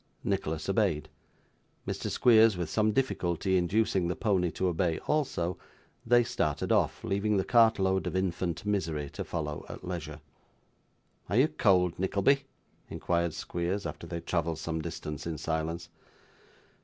Nicholas obeyed. Mr. Squeers with some difficulty inducing the pony to obey also, they started off, leaving the cart load of infant misery to follow at leisure. 'Are you cold, Nickleby?' inquired Squeers, after they had travelled some distance in silence.